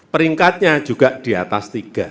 peringkatnya juga di atas tiga